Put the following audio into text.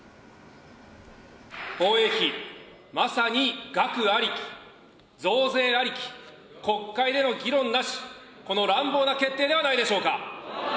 防衛費、まさに額ありき、増税ありき、国会での議論なし、この乱暴な決定ではないでしょうか。